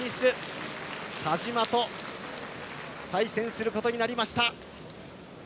田嶋と対戦することになりました。